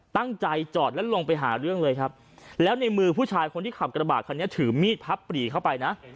จอดแล้วลงไปหาเรื่องเลยครับแล้วในมือผู้ชายคนที่ขับกระบาดคันนี้ถือมีดพับปรีเข้าไปนะ